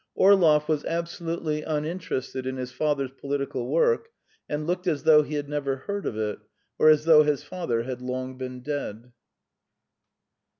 Orlov was absolutely uninterested in his father's political work, and looked as though he had never heard of it, or as though his father had long been dead.